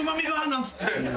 なんつって。